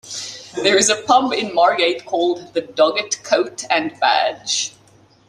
There is a pub in Margate named "The Doggett Coat and Badge".